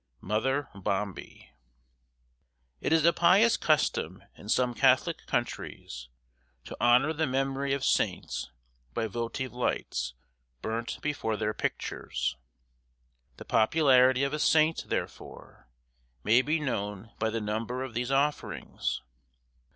'" MOTHER BOMBIE. IT is a pious custom in some Catholic countries to honor the memory of saints by votive lights burnt before their pictures. The popularity of a saint, therefore, may be known by the number of these offerings.